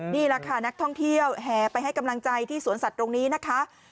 นี่แหละค่ะนักท่องเที่ยวแห่ไปให้กำลังใจที่สวนสัตว์ตรงนี้นะคะ